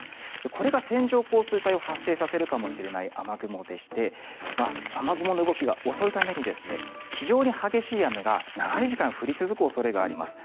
これが線状降水帯を発生させるかもしれない雨雲でして雨雲の動きが遅いために非常に激しい雨が長い時間降り続く恐れがあります。